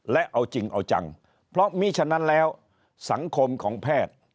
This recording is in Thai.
และเอาจริงเอาจังเพราะมีฉะนั้นแล้วสังคมของแพทย์